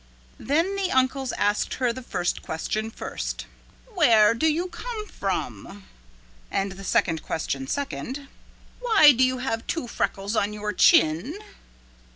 Then the uncles asked her the first question first, "Where do you come from?" and the second question second, "Why do you have two freckles on your chin?"